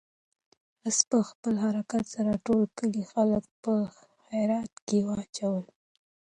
آس په خپل حرکت سره د ټول کلي خلک په حیرت کې واچول.